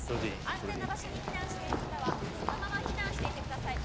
「安全な場所に避難している方はそのまま避難していてください。